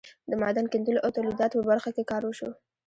د معدن کیندلو او تولیداتو په برخه کې کار وشو.